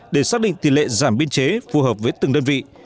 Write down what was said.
để xác định tỷ lệ giảm biên chế phù hợp với từng đơn vị